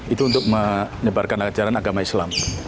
itu untuk menyebarkan ajaran agama islam